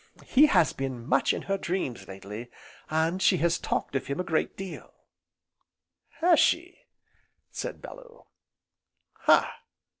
he has been much in her dreams, lately, and she has talked of him a great deal, " "Has she?" said Bellew, "ha!"